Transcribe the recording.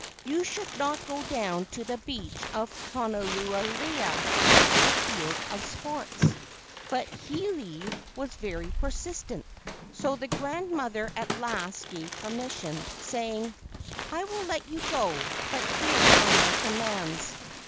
You should not go down to the beach of Honua lewa [the field of sports]." i66 LEGENDS OF GHOSTS But Hiilei was very persistent, so the grand¬ mother at last gave permission, saying: "I will let you go, but here are my commands.